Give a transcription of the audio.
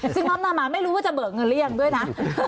ซึ่งมอบหน้ามาไม่รู้ว่าจะเบิกเงินหรือยังด้วยนะ